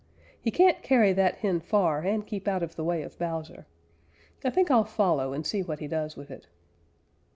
"He can't carry that hen far and keep out of the way of Bowser. I think I'll follow and see what he does with it."